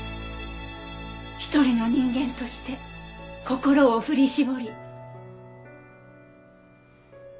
一人の人間として心を振り絞り。